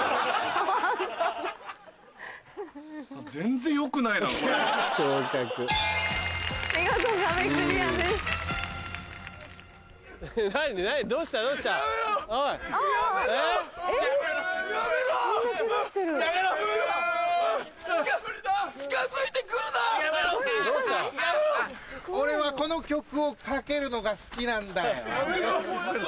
ハハハ俺はこの曲をかけるのが好きなんだよ。